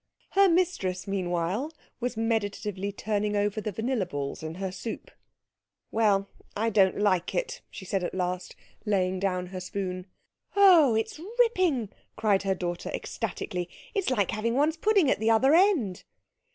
Her mistress meanwhile was meditatively turning over the vanilla balls in her soup. "Well, I don't like it," she said at last, laying down her spoon. "Oh, it's ripping!" cried her daughter ecstatically. "It's like having one's pudding at the other end."